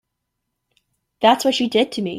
That's what she did to me.